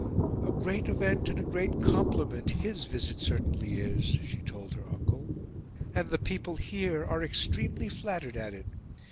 "A great event and a great compliment HIS visit certainly is," she told her uncle, "and the people HERE are extremely flattered at it.